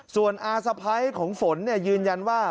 ส่วนอาสะพ้ายของฝนยืนยันว่า